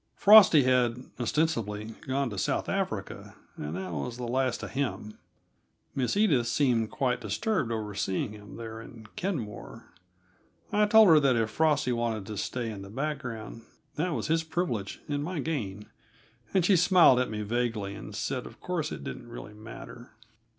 Frosty had, ostensibly, gone to South Africa, and that was the last of him. Miss Edith seemed quite disturbed over seeing him there in Kenmore. I told her that if Frosty wanted to stay in the background, that was his privilege and my gain, and she smiled at me vaguely and said of course it didn't really matter.